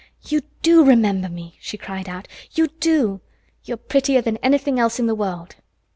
"You do remember me!" she cried out. "You do! You are prettier than anything else in the world!"